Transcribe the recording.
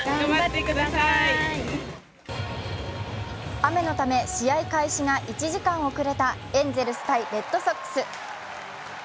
雨のため、試合開始が１時間遅れたエンゼルス×レッドソックス。